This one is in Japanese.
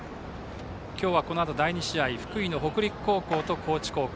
今日はこのあと第２試合福井の北陸高校と高知高校。